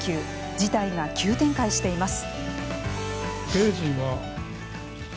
事態が急展開しています。